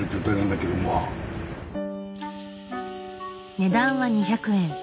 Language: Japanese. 値段は２００円。